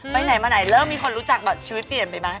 ไปไหนมาไหนเริ่มมีคนรู้จักแบบชีวิตเปลี่ยนไปไหม